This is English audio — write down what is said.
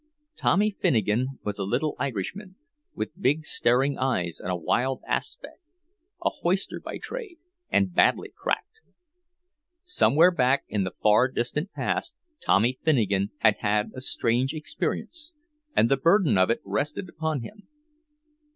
Tommy Finnegan was a little Irishman, with big staring eyes and a wild aspect, a "hoister" by trade, and badly cracked. Somewhere back in the far distant past Tommy Finnegan had had a strange experience, and the burden of it rested upon him.